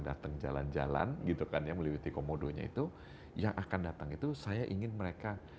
datang jalan jalan gitu kan ya melewati komodonya itu yang akan datang itu saya ingin mereka